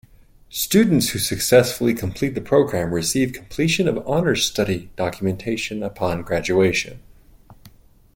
Students who successfully complete the program receive Completion of Honors Study documentation upon graduation.